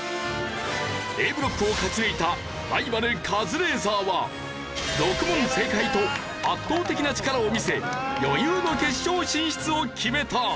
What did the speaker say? Ａブロックを勝ち抜いたライバルカズレーザーは６問正解と圧倒的な力を見せ余裕の決勝進出を決めた。